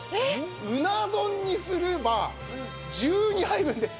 うな丼にすれば１２杯分です。